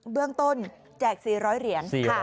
เบื้องต้นแจก๔๐๐เหรียญ